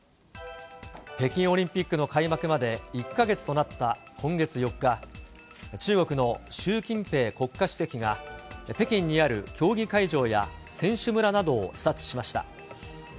北京オリンピックの開幕まで１か月となった今月４日、中国の習近平国家主席が、北京にある競技会場や、選手村などを視察しました。